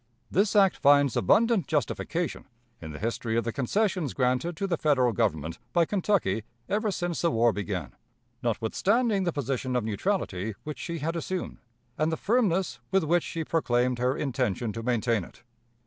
This act finds abundant justification in the history of the concessions granted to the Federal Government by Kentucky ever since the war began, notwithstanding the position of neutrality which she had assumed, and the firmness with which she proclaimed her intention to maintain it.